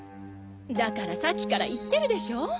だからさっきから言ってるでしょ？